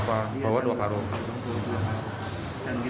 dan berarti kita mengelilingi